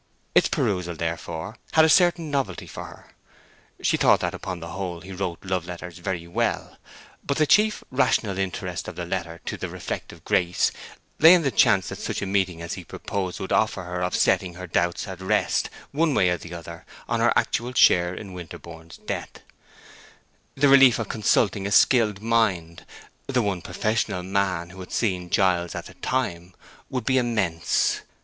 Its perusal, therefore, had a certain novelty for her. She thought that, upon the whole, he wrote love letters very well. But the chief rational interest of the letter to the reflective Grace lay in the chance that such a meeting as he proposed would afford her of setting her doubts at rest, one way or the other, on her actual share in Winterborne's death. The relief of consulting a skilled mind, the one professional man who had seen Giles at that time, would be immense.